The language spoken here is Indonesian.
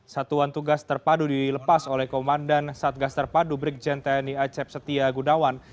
satuan tugas terpadu dilepas oleh komandan satgas terpadu brikjen tni acep setia gunawan